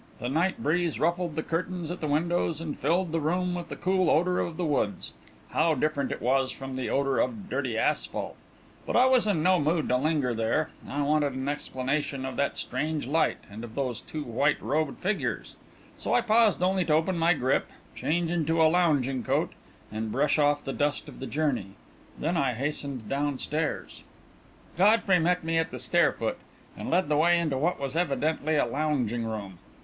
The night breeze ruffled the curtains at the windows, and filled the room with the cool odour of the woods how different it was from the odour of dirty asphalt! But I was in no mood to linger there I wanted an explanation of that strange light and of those two white robed figures. So I paused only to open my grip, change into a lounging coat, and brush off the dust of the journey. Then I hastened downstairs. Godfrey met me at the stair foot, and led the way into what was evidently a lounging room.